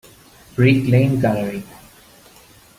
Brick Lane Gallery.